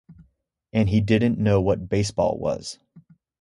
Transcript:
And he didn't know what baseball was.